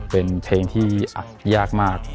เป็นเพลงที่ยากมาก